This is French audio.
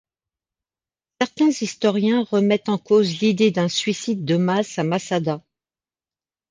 Certains historiens remettent en cause l'idée d'un suicide de masse à Massada.